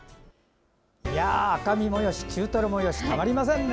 赤身もよし、中トロもよしたまりませんね。